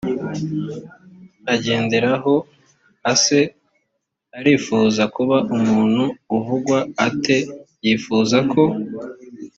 agenderaho ese arifuza kuba umuntu uvugwa ate yifuza ko